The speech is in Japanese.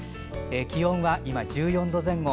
気温は今１４度前後。